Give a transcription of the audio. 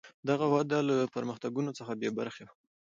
دغه وده له پرمختګونو څخه بې برخې وه.